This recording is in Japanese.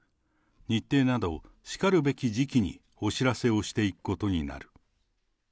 日程などしかるべき時期にお知らせをしていくことになる。